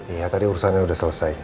iya tadi urusannya sudah selesai